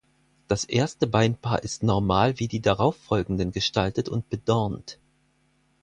Das erste Beinpaar ist normal wie die darauffolgenden gestaltet und bedornt.